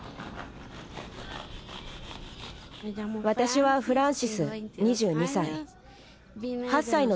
私はフランシス２２歳。